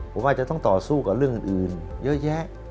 ผมว่าจะต้องต่อสู้กับเรื่องอื่นเยอะแยะ